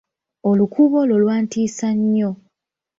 Olukuubo olwo lwantiisa nnyo.